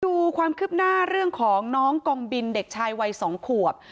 ดูความคืบหน้าเรื่องของน้องกองบินเด็กชายวัย๒ขวบ